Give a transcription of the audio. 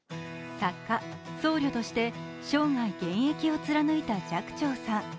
作家・僧侶として生涯現役を貫いた寂聴さん。